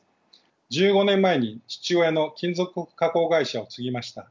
１５年前に父親の金属加工会社を継ぎました。